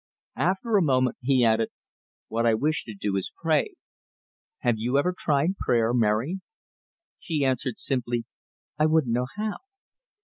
After a moment, he added, "What I wish to do is to pray. Have you ever tried prayer, Mary?" She answered, simply, "I wouldn't know how."